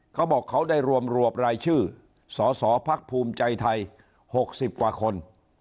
เขาบอกเขาได้รวมรวบรายชื่อสสพักภูมิใจไทย๖๐กว่าคน